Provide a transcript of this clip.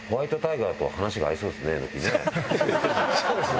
そうですね。